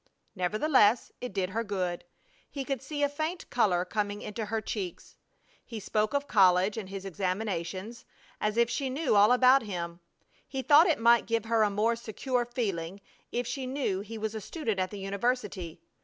Nevertheless it did her good. He could see a faint color coming into her cheeks. He spoke of college and his examinations, as if she knew all about him. He thought it might give her a more secure feeling if she knew he was a student at the university.